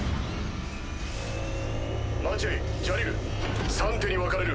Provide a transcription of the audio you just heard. マチェイジャリル３手に分かれる。